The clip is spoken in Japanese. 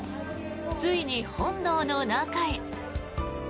ついに本堂の中へ。